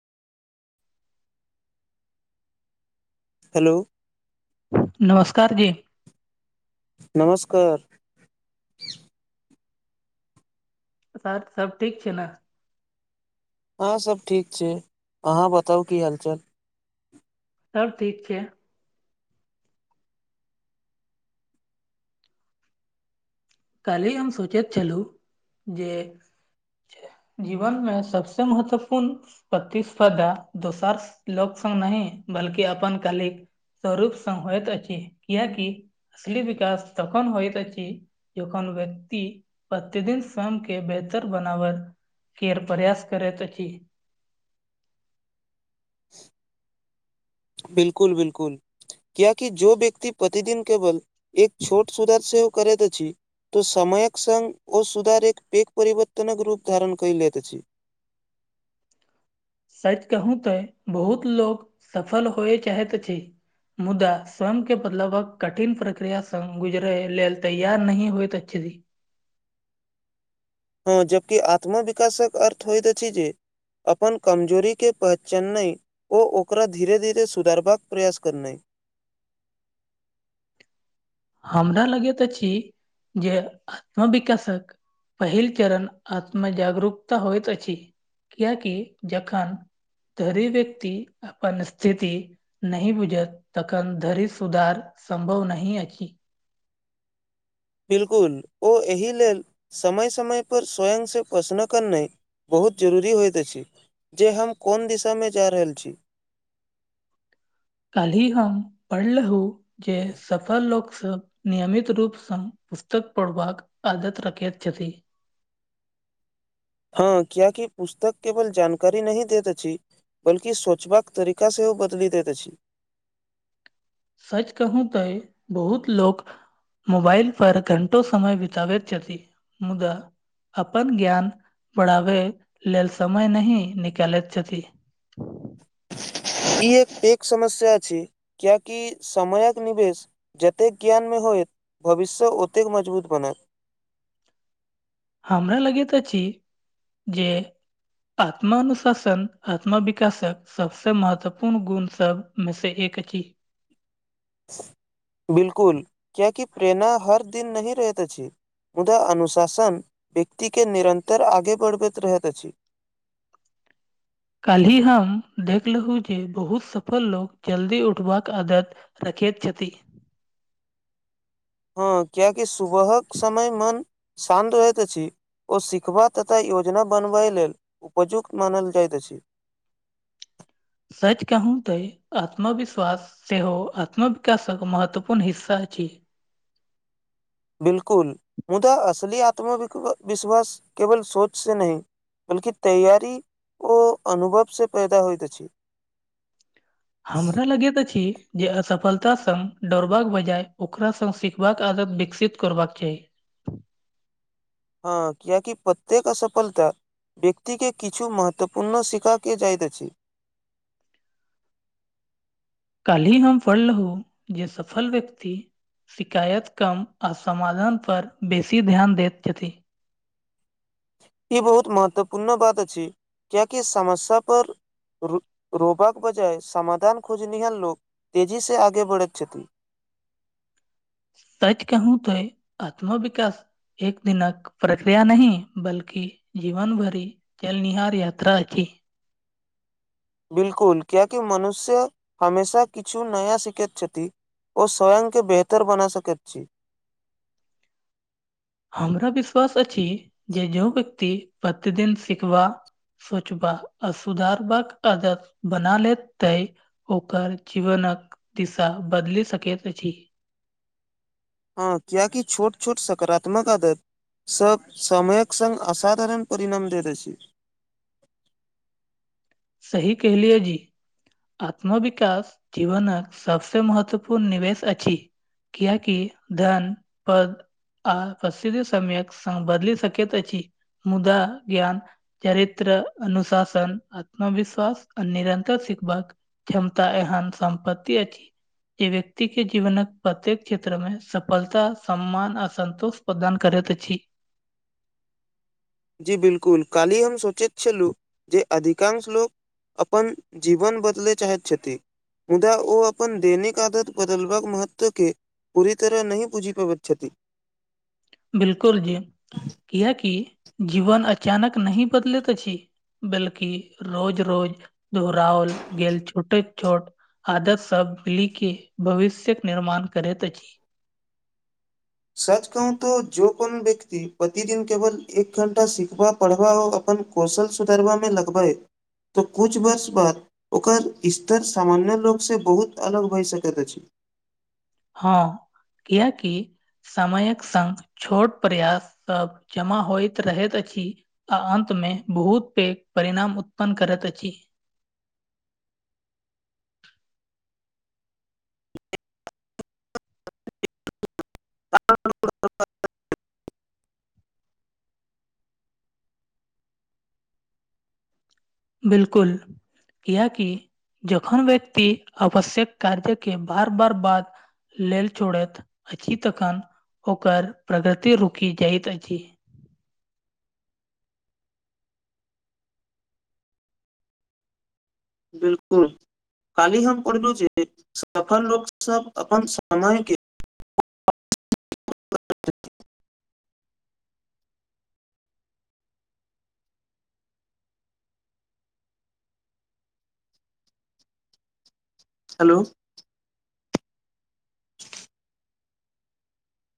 Hello नमस्कार जी नमस्कार सर सब ठीक छै ने हँ सब ठीक छै अहाँ बताउ की हालचाल सबब ठीक छै कालहि हम सूचैत छलू जे जीवन मे सबसे महत्वपूर्ण प्रतिस्पर्धा दोसार लोक स नहि बल्कि अपनन कलिक सरूप संग होइत अछि कियेकी असली विकास तखन होइत अछि। ज कोन व्यक्ति प्रतिदिन स्वयं के बेहतर बनाव केर बयास करैत अछि बिलकुल बिलकुल क्य कि जो व्यक्त प्रतिदिन केवल एक छोट सुधार से हो करै छी तो समयक संगे ओ सुधार एक पेक परिवर्तनक रूप धारण क लैत अछि सच कहू तऽ बहुत लोको सफल होए चाहैत छै मुदा स्वयंके बदलावके कठिन प्रक्रिया संग गुजरै लेल तैयार नहि होइत अछि हँ जबकि आत्मविकाशक अर्थ होइ अछि जे अपन कमजोरीके पहचननइ ओ ओकरा धीरे धीरे सुधारबाक प्रयास करनाइ हमरा लगैत अछि जे आत्म विकासक पहिल चरण आत्मजागरूकता होइ अछि किएकि जखन तरी व्यक्ति अपन स्थिति नहि बुझत तखन धरि सुधार सम्भव नहि अछि बिलकुल ओ एहि लेल समय समयपर स्वयंसँ पोसनो करनाइ बहुत जरूरी होइत अछि जे हम कोन दिशा में जा रहल छी कल्हि हम पढ़लहु जे सफल लोकसँ नियमित रूप स पुस्तक पढ़बाक आदत रखिय छथि हँ कियेकि पुस्तक केवल जानकारी नहि दैत अछि बल्कि सोचबाक तरीका सेहो बदइल दैत अछि सच कहू तऽ बहुत लोको मोबाइल पर घंटो समय बितब मुदा अपन ज्ञान बढ़ाबै लेल समय नै निकालैत छथि ई एक प समस्या अछि कियकि समयक निवेश जतेक ज्ञान में होय भविष्य ओतेक मजबूत बनत हमरा लगैत अछि जे आत्मानुशासन आत्मा विकासक सबस महत्वपूर्ण गुण सब मे स एकची बिलकुल कियाकि प्रेरणा हर दिन नही रहैत अछि मुदा अनुशासन व्यक्ति के निरन्तर आगे बढ़बैत रहैत अछि काल्हि हम देखलहुँ जे बहुत सफल लो जल्दी उठबाक आदत रकेेतत हँ कियकि सुबहक समय मन शान्त रहै अछि ओ सिखबा तथा योजना बनबै लेल उपयुक्त मानल जाइत अछि सच कहु तैं आत्मविश्वास से आत्म बिकाश एक महत्वपूर्ण हिस्सा अ छै बिलकुल मुदा असली आत्म विश्वास केवल सोच से नय बल्कि तैयारी ओ अनुभव स पैदा होइत अछि हमरा लगै अछि जे असफलता संग दौड़बाक बजाय ओकरा संग सीखबाक आदत विकसित करबाक चाही हँ किआकि प्रत्येक अ पलत व्यक्ति के किछ महत्वपूर्ण शिखा क जाइत अछि काल्हि हम पढ़लहु जे सफल व्यक्ति शिकायत कम आ समाधानपर बेसी ध्यान दै छथि ई बहुत महत्वपूर्ण बात छै कियाकि समस्या पर रो रोबाक बजाय समाधान खोजनिहार लोक तेजीसँ आगे बढ़ै छथिन सच कहू तो आत्मविश्वास एक दिनक प्रक्रिया नइ बल्कि जीवन भरि चलनिहार यात्रा अ बिलकुल किएकि मनुष्य हमेशा किछु नया सिखैत छथि ओ स्वयं के बेहतर बना सकैत छी हमरा विश्वास अछि जे जो व्यक्ति प्रतिदिन सिखबा सोचबा आ सुधारबाका आदर बना ले तै ओकर जीवनक दिशा बदलि सकैत अछि हँ क्या की छोट छोट सकारात्मक आदत सब समयक सङ् असाधारण परिणाम दैत अछि सही कहलियै आत्मविकाश जीवनक सबसँ महत्वपूर्ण निवेश अछि किया कि धन पद आ प्रसथि समयक बदल सकैत अछी मुदा ज्ञान चरित्र अनुशासन आत्मविश्वास आ निरन्तर क्षमता एहन सम्पत्तति अछी य व्यक्ति के जीवन प्रत्येक क्षेत्र मे सफलता सम्मान अ संन्तुष्ट प्रदान करैत अछि जी बिलकुल काल्हि हम सोचैत छलहुँ जे अधिकांश लोक अपन जीवन बदलय चाहैत छथि मुदा ओ अपन दैनिक आदत बदलबाक महत्वके पुररी तरह नहि पूजीप गछति बिलकुल जी किया कि जीवन अचानक नहि बदलैत अछि बल्कि रोज रोज दहराओल गेल छोटे छोट आदत सब मिली के भविष्यके निर्माण करैत अ अछि सच कहू तो जो कोन व्यक्ति प्रतिदिन केवल एक घण्टा सिखबा पढ़बा आ अपन कौशल सुधरबामे लगबए त कुछ वर्ष बाद ओकर स्तर सामान्य लोकसँ बहुत अलग भए सकैत अछि हँ किएकि समयक संग छोट प्रयाससभ जमा होइत रहैत अछि आ अन्त मे बहुत पैघ परिणाम उत्पन्न करैत अछि बिलकुल कियाकि जखन व्यक्ति आवश्यक कार्य के बार बार बात लेल छोड़ैत अछि तखन ओकर प्रगति रुकि जाइत अछि बिलकुल कालहि हम पढ़लहु जे सफल लोक सब अपन समयके [unintelligible] हेलो